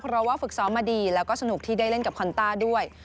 เพราะว่าฝึกซ้อมมาดีแล้วก็สนุกที่ได้เล่นกับคอนต้าด้วย